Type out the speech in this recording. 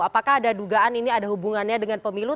apakah ada dugaan ini ada hubungannya dengan pemilu